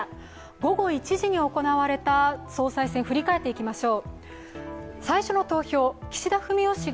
午後１時に行われた総裁選、振り返っていきましょう。